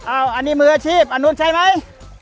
อันนี้มืออาชีพอันนู้นใช่ไหม